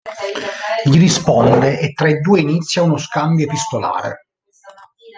Gli risponde e tra i due inizia uno scambio epistolare.